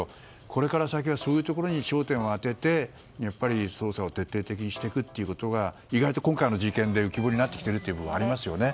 これから先はそういうところに焦点を当てて捜査を徹底的にしていくことが意外と今回の事件で浮き彫りになってきている部分ありますよね。